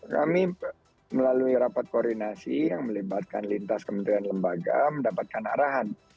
kami melalui rapat koordinasi yang melibatkan lintas kementerian lembaga mendapatkan arahan